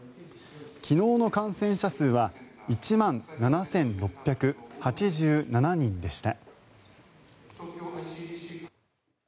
昨日の感染者数は１万７６８７人でした。